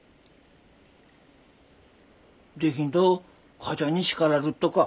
できんと母ちゃんに叱らるっとか？